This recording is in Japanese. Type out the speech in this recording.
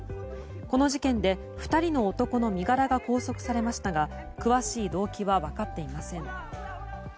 この事件で２人の男の身柄が拘束されましたが詳しい動機は分かっていません。